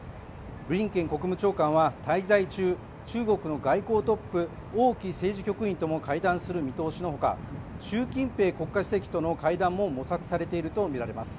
ブリンケン国務長官は滞在中、中国の外交トップ、王毅政治局員とも会談する見通しのほか、習近平国家主席との会談も模索されているとみられます。